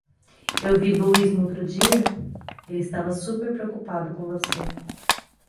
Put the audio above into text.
Eu vi Louis no outro dia? ele estava super preocupado com você.